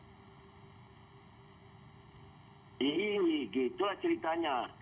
ini itulah ceritanya